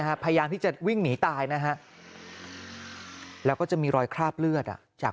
พยายามที่จะวิ่งหนีตายนะฮะแล้วก็จะมีรอยคราบเลือดอ่ะจาก